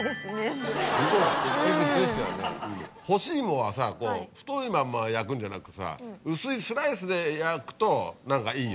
干しいもはさ太いまんま焼くんじゃなくさ薄いスライスで焼くと何かいいよね。